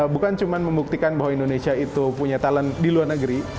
bukan cuma membuktikan bahwa indonesia itu punya talent di luar negeri